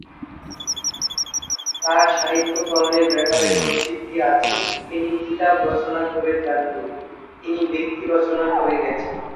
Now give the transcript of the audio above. তার সাহিত্য কর্মের ব্যাপারে প্রসিদ্ধি আছে, তিনি কিতাব রচনা করে যাননি; তিনি ব্যক্তি রচনা করে গেছেন।